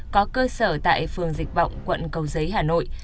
có cơ sở tại phường dịch vọng quận cầu giấy hà nội